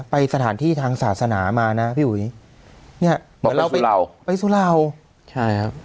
ไปสถานที่ทางศาสนามานะพี่อุ๋ยเนี่ยเหมือนเราไปเราไปสุเหล่าใช่ครับ